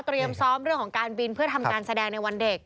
ซ้อมเรื่องของการบินเพื่อทำการแสดงในวันเด็ก